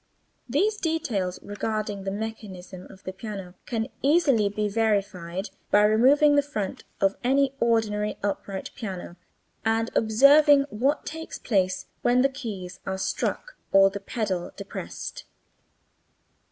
These details regarding the mechanism of the piano can easily be verified by removing the front of any ordinary upright piano and observing what takes place when the keys are struck or the pedals depressed.